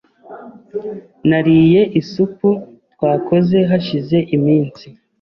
Nariye isupu twakoze hashize iminsi .